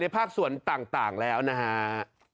ภาคส่วนต่างแล้วนะฮะ